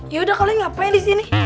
ya udah kalian ngapain di sini